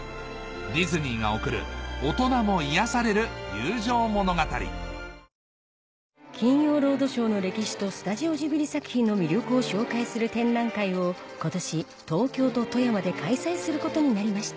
ディズニーが送る大人も癒やされる友情物語『金曜ロードショー』の歴史とスタジオジブリ作品の魅力を紹介する展覧会を今年東京と富山で開催することになりました